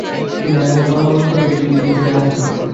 তিনি ঝানঝানায় গমন করে কিছুদিন সেখানে অবস্থান করেন।